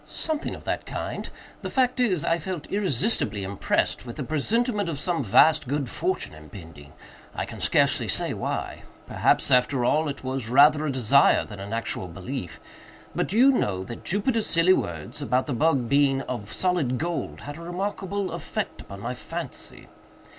"Something of that kind. The fact is, I felt irresistibly impressed with a presentiment of some vast good fortune impending. I can scarcely say why. Perhaps, after all, it was rather a desire than an actual belief;—but do you know that Jupiter's silly words, about the bug being of solid gold, had a remarkable effect upon my fancy?